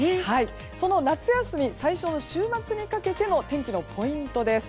その夏休み最初の週末にかけての天気のポイントです。